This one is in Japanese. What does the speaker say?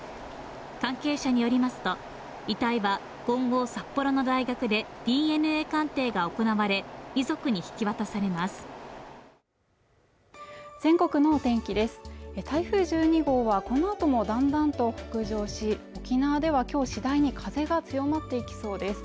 関係者によりますと遺体は今後札幌の大学でＤＮＡ鑑定が行われ遺族に引き渡されます全国のお天気です